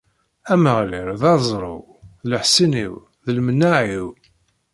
Ameɣlal, d aẓru-w, d leḥṣin-iw, d lemneɛ-iw.